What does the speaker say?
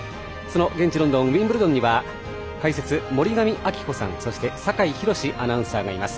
現地ロンドン、ウィンブルドンに解説、森上亜希子さんそして酒井博司アナウンサーがいます。